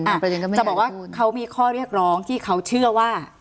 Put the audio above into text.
จะบอกว่าเขามีข้อเรียกรองที่เขาเชื่อว่า